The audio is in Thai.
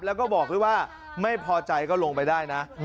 แล้วก็บอกด้วยว่าไม่พอใจก็ลงไปได้นะ